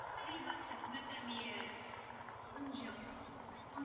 Důsledkem toho jsou rozvinuté krasové jevy na celém území poloostrova.